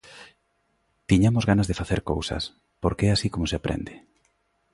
Tiñamos ganas de facer cousas, porque é así como se aprende.